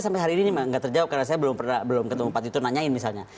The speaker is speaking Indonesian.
makanya kok kita nole tribal